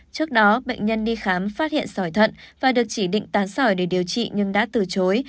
trước đó bệnh nhân đi khám phát hiện sỏi thận và được chỉ định tán sỏi để điều trị nhưng đã từ chối